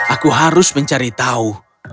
aku harus mencari tahu